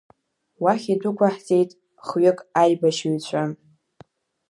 Уахь идәықәаҳҵеит хҩык аибашьыҩцәа.